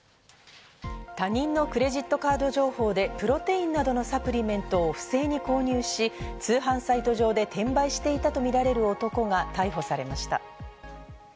他人のクレジットカード情報でプロテインなどのサプリメントを不正に購入し、通販サイト上で転売していたとみられる男が逮捕されました。